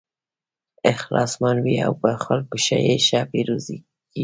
اخلاصمن وي او په خلکو یې ښه پیرزو کېږي.